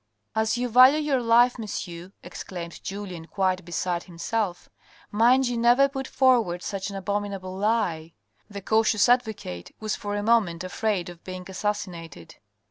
" As you value your life, monsieur," exclaimed Julien, quite beside himself, " mind you never put forward such an abomin able lie. The cautious advocate was for a moment afraid of being assassinated."